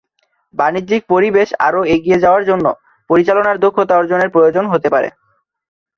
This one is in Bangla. বাণিজ্যিক পরিবেশে আরও এগিয়ে যাওয়ার জন্য, পরিচালনার দক্ষতা অর্জনের প্রয়োজন হতে পারে।